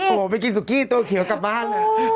โอ้โหไปกินสุกี้ตัวเขียวกลับบ้านเลย